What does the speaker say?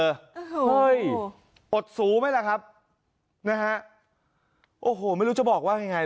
โอ้โหอดสูไหมล่ะครับนะฮะโอ้โหไม่รู้จะบอกว่ายังไง